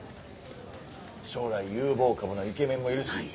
将来有望株なイケメンもいるし。